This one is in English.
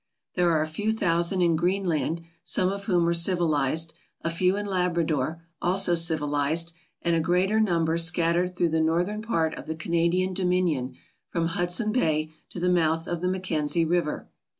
There are a few thousand in Greenland, some of whom are civilized; a few in Labrador, also civil ized, and a greater number scattered through the northern part of the Canadian Dominion from Hudson Bay to the mouth of the Mackenzie River.